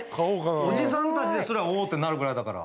おじさんたちですら「おおー」ってなるぐらいだから。